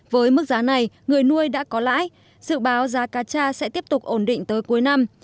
với mức giá này người nuôi đã có lãi dự báo giá cá tra sẽ tiếp tục ổn định tới cuối năm